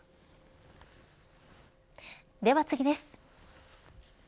では次です。